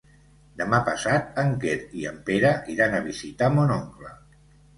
Demà passat en Quer i en Pere iran a visitar mon oncle.